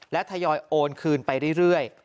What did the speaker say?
และทยอยโอนคืนไปเรื่อย